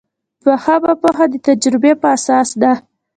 دوهمه پوهه د تجربې په اساس ده.